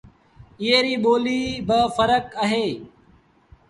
ايئي ريٚ ٻوليٚ با ڦرڪ اهي